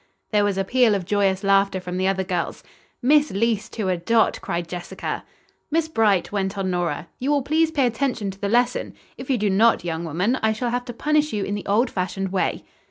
There was a peal of joyous laughter from the other girls. "Miss Leece to a dot," cried Jessica. "Miss Bright," went on Nora, "you will please pay attention to the lesson. If you do not, young woman, I shall have to punish you in the old fashioned way."